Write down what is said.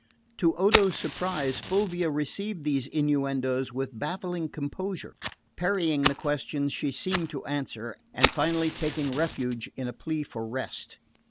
To Odo's surprise Fulvia received these innuendoes with baffling composure, parrying the questions she seemed to answer, and finally taking refuge in a plea for rest.